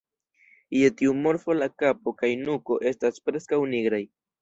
Je tiu morfo la kapo kaj nuko estas preskaŭ nigraj.